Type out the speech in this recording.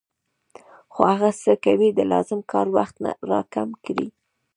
خو هغه هڅه کوي د لازم کار وخت را کم کړي